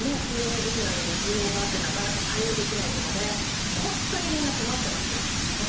こういう時期なので需要があってなかなか対応できないとかで本当にみんな困ってますね。